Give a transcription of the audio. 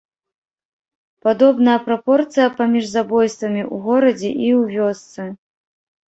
Падобная прапорцыя паміж забойствамі ў горадзе і ў вёсцы.